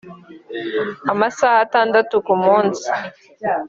amasaha atandatu ku munsi